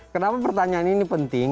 kenapa pertanyaan ini penting